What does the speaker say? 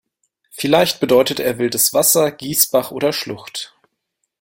Vielleicht bedeutet er „wildes Wasser, Gießbach oder Schlucht“.